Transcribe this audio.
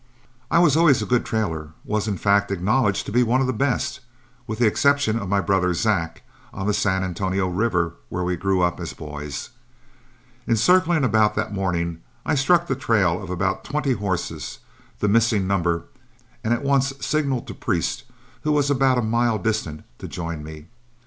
I was always a good trailer, was in fact acknowledged to be one of the best, with the exception of my brother Zack, on the San Antonio River, where we grew up as boys. In circling about that morning, I struck the trail of about twenty horses the missing number and at once signaled to Priest, who was about a mile distant, to join me.